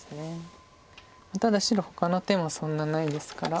ただ白ほかの手もそんなないですから。